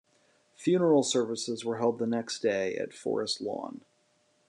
Funeral services were held the next day at Forest Lawn.